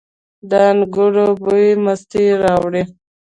د انګورو بوی مستي راوړي.